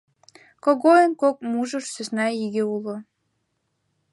Когойын кок мужыр сӧсна иге уло.